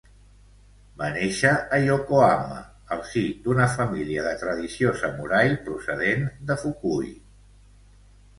Va néixer a Yokohama, al si d'una família de tradició samurai procedent de Fukui.